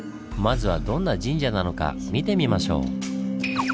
まずはどんな神社なのか見てみましょう。